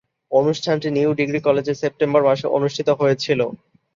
অনুষ্ঠানটি new degree কলেজে September মাসে অনুষ্ঠিত হয়েছিলো।